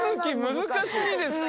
難しいですか？